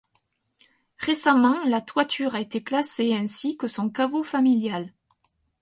Récemment, la toiture a été classée ainsi que son caveau familial.